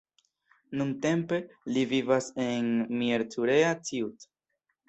Nuntempe li vivas en Miercurea Ciuc.